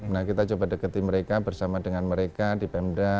nah kita coba deketi mereka bersama dengan mereka di pemda